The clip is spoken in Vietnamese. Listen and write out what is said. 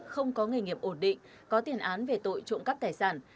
không có nghề nghiệp ổn định có tiền án về tội trộm cắp tài sản